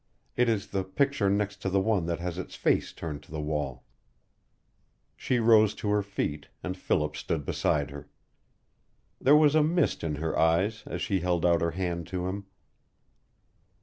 It is the picture next to the one that has its face turned to the wall." She rose to her feet, and Philip stood beside her. There was a mist in her eyes as she held out her hand to him.